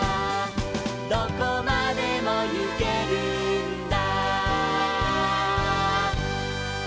「どこまでもゆけるんだ」「」